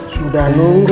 sudah nunggu ya